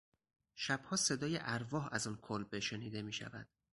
شبها صدای ارواح از آن کلبه شنیده میشود.